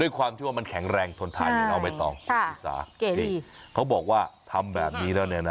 ด้วยความที่ว่ามันแข็งแรงทนทานเอาไปต่อคุณศีรษะเขาบอกว่าทำแบบนี้แล้วเนี้ยนะ